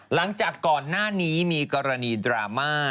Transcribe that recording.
หลังจากก่อนหน้านี้มีกรณีดราม่า